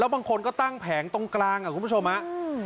บางคนก็ตั้งแผงตรงกลางอ่ะคุณผู้ชมฮะ